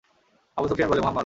আবু সুফিয়ান বলে– মুহাম্মাদ!